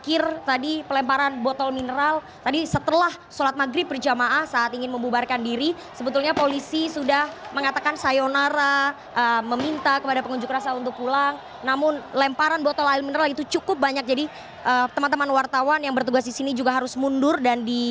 yang anda dengar saat ini sepertinya adalah ajakan untuk berjuang bersama kita untuk keadilan dan kebenaran saudara saudara